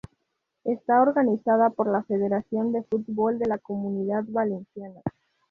Está organizada por la Federación de Fútbol de la Comunidad Valenciana.